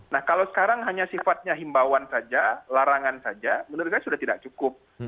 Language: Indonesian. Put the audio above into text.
nah kalau sekarang hanya sifatnya himbauan saja larangan saja menurut saya sudah tidak cukup